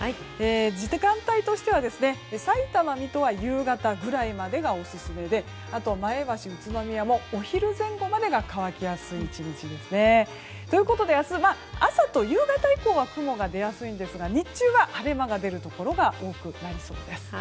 時間帯としてはさいたま、水戸は夕方ぐらいまでがオススメで前橋、宇都宮もお昼前後までが乾きやすい１日ですね。ということで明日は朝と夕方以降は雲が出やすいんですが日中は晴れ間が出るところが多くなりそうです。